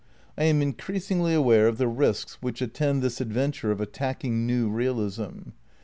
I am increasingly aware of the risks which attend this ad venture of attacking new realism.